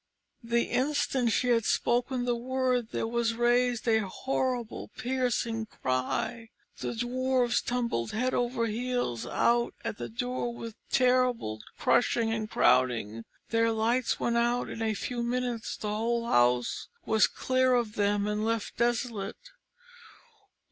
The instant she had spoken the word there was raised a horrible, piercing cry. The Dwarfs tumbled head over heels out at the door with terrible crushing and crowding, their lights went out, and in a few minutes the whole house was clear of them and left desolate.